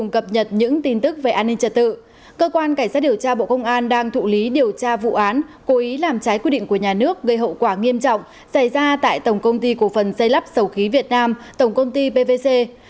cơ quan cảnh sát điều tra bộ công an đang thụ lý điều tra vụ án cố ý làm trái quy định của nhà nước gây hậu quả nghiêm trọng xảy ra tại tổng công ty cổ phần xây lắp sầu khí việt nam tổng công ty pvc